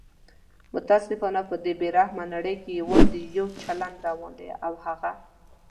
متاسفانه په دې بې رحمه نړۍ کې یواځي یو چلند روان دی او هغه